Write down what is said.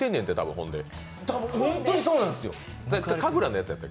本当にそうなんですよ。